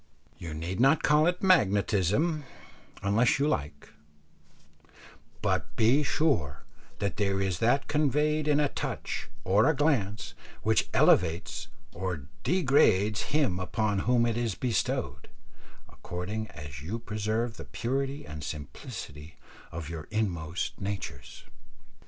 You need not call it magnetism unless you like, but be sure that there is that conveyed in a touch or a glance which elevates or degrades him upon whom it is bestowed, according as you preserve the purity and simplicity of your inmost natures.